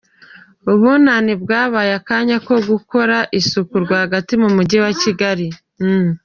Ubunani bwabaye akanya ko gukora isuku rwagati mu mujyi wa Kigali